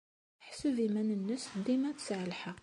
Teḥseb iman-nnes dima tesɛa lḥeqq.